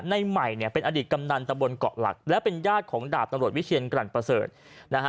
ใหม่เนี่ยเป็นอดีตกำนันตะบนเกาะหลักและเป็นญาติของดาบตำรวจวิเชียนกลั่นประเสริฐนะฮะ